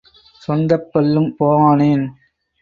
சொந்தப் பல்லும் போவானேன்?